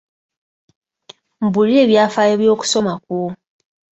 Mbuulira ebyafaayo by'okusoma kwo.